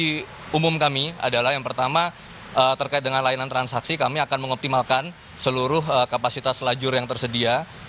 di umum kami adalah yang pertama terkait dengan layanan transaksi kami akan mengoptimalkan seluruh kapasitas lajur yang tersedia